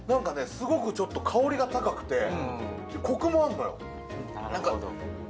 すごくちょっと香りが高くてコクもあんのよ